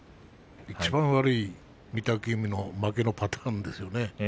いちばん悪い御嶽海の負けのパターンですよね